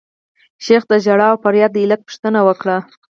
شیخ د ژړا او فریاد د علت پوښتنه وکړه.